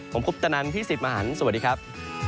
ผมคุปตนันพี่สิทธิ์มหันฯสวัสดีครับ